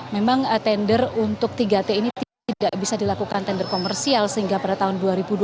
memang tender untuk tiga t ini tidak bisa dilakukan tender komersial sehingga pada tahun dua ribu dua puluh